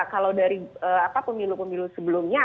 kalau dari pemilu pemilu sebelumnya